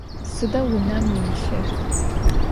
Sıda vunem yimılhır?